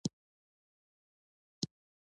ازادي راډیو د سوله اړوند شکایتونه راپور کړي.